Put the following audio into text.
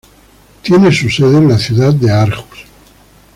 Tiene su sede en la ciudad de Aarhus.